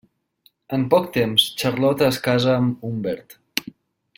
En poc temps, Charlotte es casa amb Humbert.